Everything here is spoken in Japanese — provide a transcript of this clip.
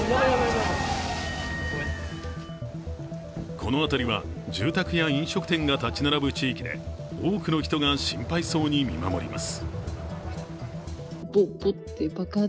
この辺りは住宅や飲食店が立ち並ぶ地域で多くの人が心配そうに見守ります。